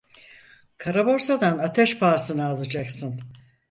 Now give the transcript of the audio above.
Karaborsadan ateş pahasına alacaksın.